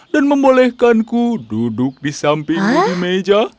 dan membolehkanku duduk di sampingmu di meja